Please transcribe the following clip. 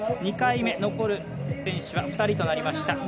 ２回目残る選手は２人となりました。